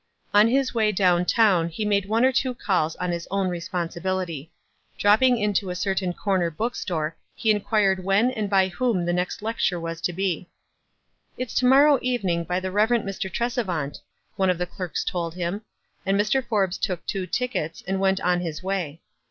On his way down town he made one or two calls on his own responsibility. Dropping into WISE AND OTHERWISE. 91 a certain corner bookstore he inquired when anil by whom the next lecture was to be. "It's to morrow evening, by the Ecv. Mr. Trcsevant," one of the clerks told him ; and Mr. Forbes took two tickets and went on his way.